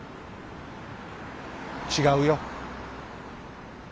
違うよ。